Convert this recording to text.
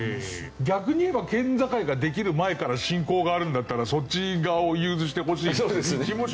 逆にいえば県境ができる前から信仰があるんだったらそっち側を融通してほしい気もしますけどね。